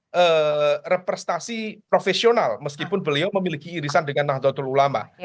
ini adalah representasi profesional meskipun beliau memiliki irisan dengan nahdlatul ulama